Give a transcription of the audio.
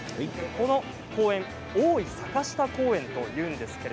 この公園大井坂下公園といいます。